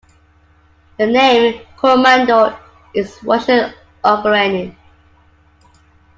The name "Komando" is Russian-Ukrainian.